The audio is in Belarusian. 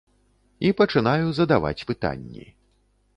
І пачынаю задаваць пытанні.